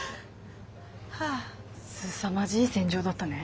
すさまじい戦場だったね。